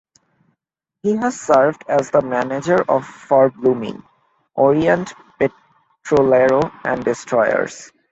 He has served as the manager for Blooming, Oriente Petrolero and Destroyers.